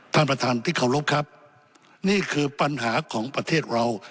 ท่านประธานที่เคารพครับนี่คือปัญหาของประเทศเรา